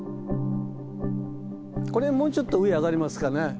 これもうちょっと上へ上がりますかね。